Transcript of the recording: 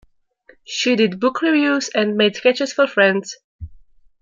She did book reviews and made sketches for friends.